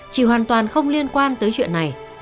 chị hoàn toàn không liên quan tới chuyện này